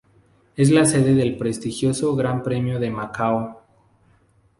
Es la sede del prestigioso Gran Premio de Macao.